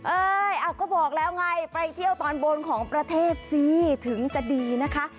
ก็บอกแล้วไงไปเที่ยวตอนบนของประเทศสิถึงจะดีนะคะ